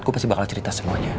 aku pasti bakal cerita semuanya